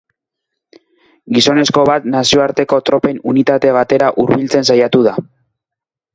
Gizonezko bat nazioarteko tropen unitate batera hurbiltzen saiatu da.